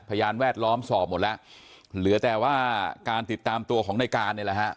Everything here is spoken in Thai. พยานแวดล้อมสอบหมดแล้วเหลือแต่ว่าการติดตามตัวของในการเนี่ยแหละฮะ